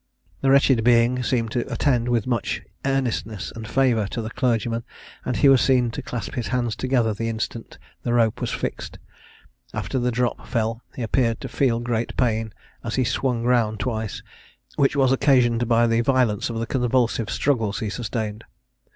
The wretched being seemed to attend with much earnestness and fervour to the clergyman, and he was seen to clasp his hands together the instant the rope was fixed. After the drop fell he appeared to feel great pain, as he swung round twice, which was occasioned by the violence of the convulsive struggles he sustained.